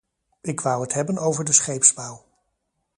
Ik wou het hebben over de scheepsbouw.